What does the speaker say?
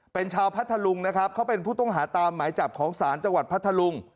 เป็นชาวพัทธลุงนะครับเขาเป็นผู้ต้องหาตามหมายจับของศาลจังหวัดพัทธลุง